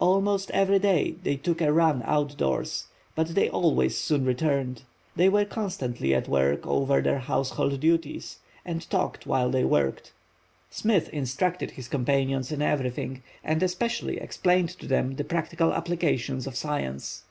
Almost every day they took a run out doors, but they always soon returned. They were constantly at work over their household duties, and talked while they worked. Smith instructed his companions in everything, and especially explained to them the practical applications of science.